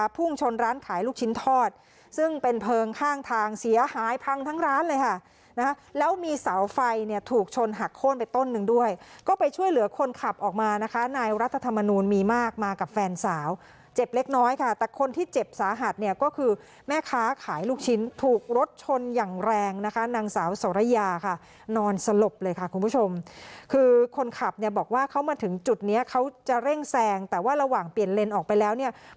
พรุ่งชนร้านขายลูกชิ้นทอดซึ่งเป็นเพลิงข้างทางเสียหายพังทั้งร้านเลยค่ะแล้วมีเสาไฟเนี่ยถูกชนหักโค้นไปต้นหนึ่งด้วยก็ไปช่วยเหลือคนขับออกมานะคะนายรัฐธรรมนุนมีมากมากับแฟนสาวเจ็บเล็กน้อยค่ะแต่คนที่เจ็บสาหัสเนี่ยก็คือแม่ค้าขายลูกชิ้นถูกรถชนอย่างแรงนะคะนางสาวสวรรยาค่ะนอน